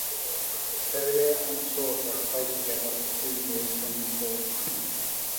Berrier and Sauter stayed together for three years, winning four times.